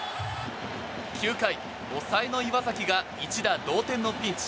９回、抑えの岩崎が一打同点のピンチ。